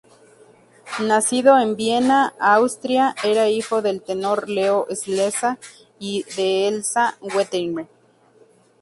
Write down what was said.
Nacido en Viena, Austria, era hijo del tenor Leo Slezak y de Elsa Wertheim.